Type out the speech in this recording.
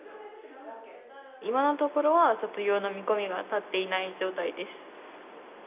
今のところは卒業の見込みが立っていない状態です。